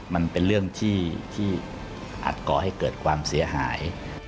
มันเป็นเรื่องที่อาจก่อให้เกิดความเสียหาย